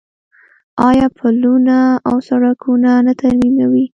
آیا پلونه او سړکونه نه ترمیموي؟